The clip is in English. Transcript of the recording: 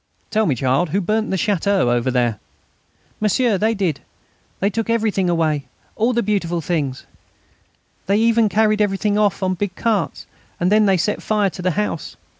"Tell me, child, who burnt that château over there?" "M'sieur, they did; and they took everything away all the beautiful things. They even carried everything off on big carts, and then they set fire to the house.